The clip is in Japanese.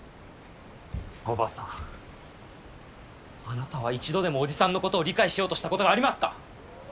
叔母さんあなたは一度でも叔父さんのことを理解しようとしたことがありますか？